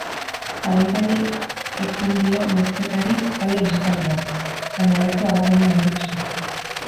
Agintari ekin dio neurketari talde bisitariak, baina ez du abagune argirik sortu.